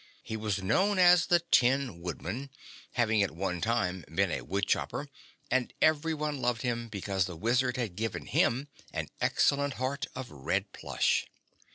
He was known as the Tin Woodman, having at one time been a woodchopper, and everyone loved him because the Wizard had given him an excellent heart of red plush.